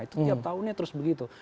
itu tiap tahunnya terus begitu